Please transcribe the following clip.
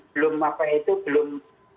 belum apa itu belum